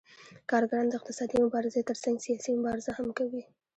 کارګران د اقتصادي مبارزې ترڅنګ سیاسي مبارزه هم کوي